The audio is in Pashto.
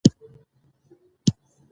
موږ باید د یو بل احساساتو ته ارزښت ورکړو